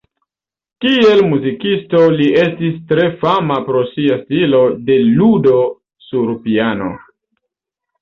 Kiel muzikisto li estis tre fama pro sia stilo de ludo sur piano.